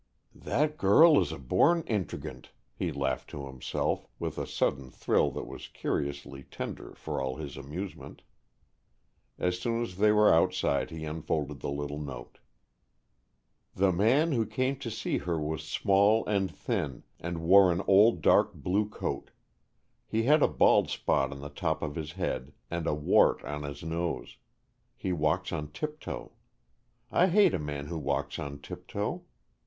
"That girl is a born intriguante," he laughed to himself, with a sudden thrill that was curiously tender, for all his amusement. As soon as they were outside he unfolded the little note. "The man who came to see her was small and thin, and wore an old dark blue coat. He had a bald spot on the top of his head, and a wart on his nose. He walks on tiptoe. I hate a man who walks on tiptoe.